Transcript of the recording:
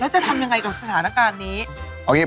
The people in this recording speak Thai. จะทำยังไงกับสถานการณ์นี้